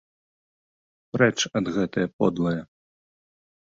Прэч ад гэтае подлае!